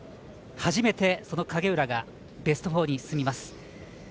初めて、その影浦がベスト４に進みます。